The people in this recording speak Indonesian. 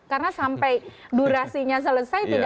karena sampai durasinya selesai